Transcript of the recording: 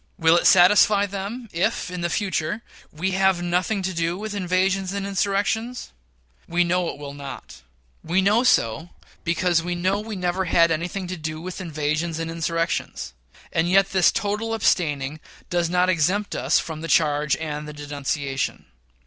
Will it satisfy them if, in the future, we have nothing to do with invasions and, insurrections? We know it will not. We so know because we know we never had anything to do with invasions and insurrections; and yet this total abstaining does not exempt us from the charge and the denunciation.